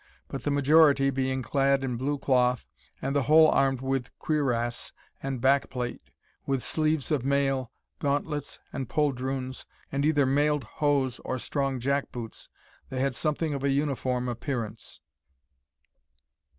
But the majority, being clad in blue cloth, and the whole armed with cuirass and back plate, with sleeves of mail, gauntlets, and poldroons, and either mailed hose or strong jack boots, they had something of a uniform appearance.